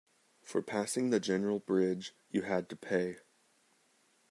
For passing the general bridge, you had to pay.